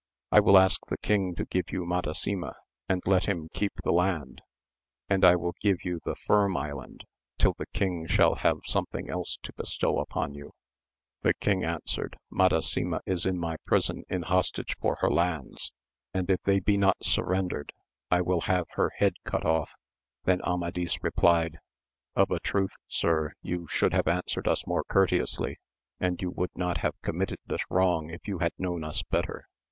I will ask the king to give you Madasima and let him keep the land, and I will give you the Firm Island till the king shall have something else to bestow upon you. The king answered, Madasima is in my prison in hostage for her lands, and if they be not surrendered I will have her head cut off. Then Amadis replied, Of a truth sir you should [have answered us more courteously, and you would not have committed this wrong if you had known us better.